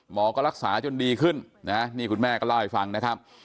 ก็รักษาจนดีขึ้นนะนี่คุณแม่ก็เล่าให้ฟังนะครับ